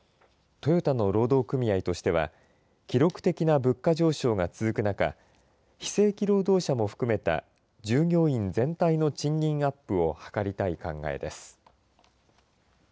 トヨタの労働組合としては記録的な物価上昇が続く中非正規労働者も含めた従業員全体の賃金アップを図りたい考えです。